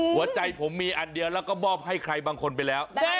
หัวใจผมมีอันเดียวแล้วก็มอบให้ใครบางคนไปแล้ว